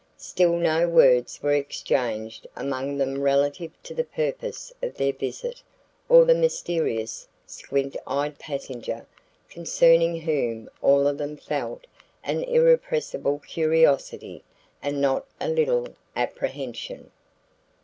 Still no words were exchanged among them relative to the purpose of their visit or the mysterious, squint eyed passenger concerning whom all of them felt an irrepressible curiosity and not a little apprehension.